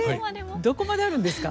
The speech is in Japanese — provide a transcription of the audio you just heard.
どこまであるんですか。